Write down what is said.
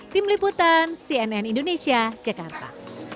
tim liputan cnn indonesia jakarta